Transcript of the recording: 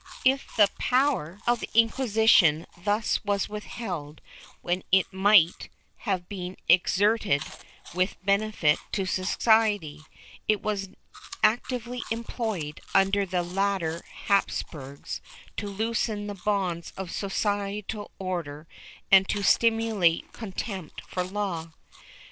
^ If the power of the Inquisition thus was withheld when it might have been exerted with benefit to society, it was actively employed, under the later Hapsburgs, to loosen the bonds of social order and stimulate contempt for law.